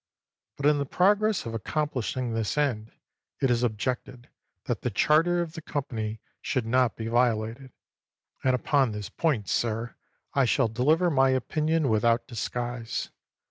But in the progress of accomplishing this end, it is objected that the charter of the company should not be violated; and upon this point, sir, I shall deliver my opinion without disguise.